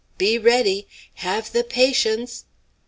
Be ready! Have the patience."